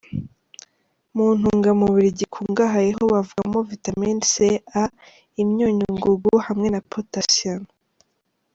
Mu ntungamubiri gikungahayeho bavugamo vitamin C, A, imyunyungugu, hamwe na potassium.